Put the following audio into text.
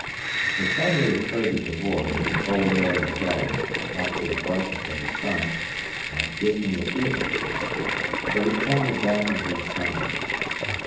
It suddenly occurred to Cavor that the cold air in the gully, after the brightness of the sun, might give me a fever. So we clambered back into the sunlight.